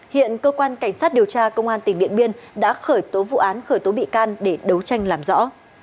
hiện cơ quan cảnh sát điều tra công an tỉnh điện biên đã khởi tố vụ án khởi tố bị can để đấu tranh làm rõ